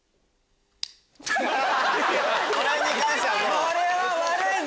これは悪いぞ！